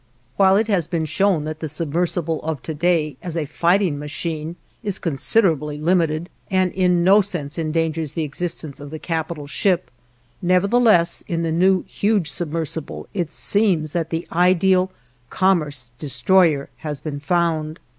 While it has been shown that the submersible of to day, as a fighting machine, is considerably limited, and in no sense endangers the existence of the capital ship, nevertheless in the new huge submersible it seems that the ideal commerce destroyer has been found.